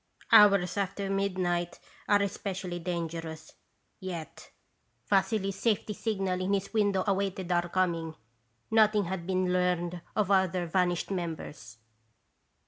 " Hours after midnight are especially danger ous, yet Vassily's safety signal in his window awaited our coming. Nothing had been learned of other vanished members.